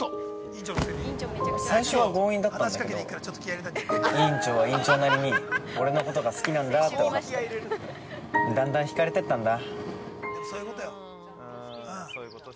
◆最初は強引だったんだけど委員長は委員長なりに俺のことが好きなんだって分かってだんだんひかれてったんだ。